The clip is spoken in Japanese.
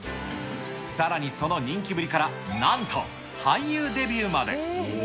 さらにその人気ぶりから、なんと俳優デビューまで。